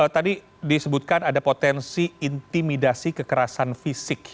tadi disebutkan ada potensi intimidasi kekerasan fisik